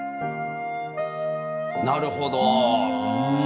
なるほど。